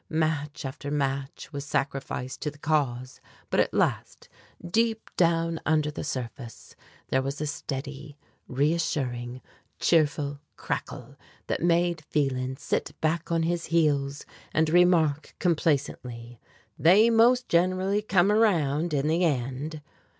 Match after match was sacrificed to the cause, but at last, down deep under the surface, there was a steady, reassuring, cheerful crackle that made Phelan sit back on his heels, and remark complacently: "They most generally come around, in the end!"